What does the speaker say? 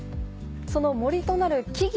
その森となる木々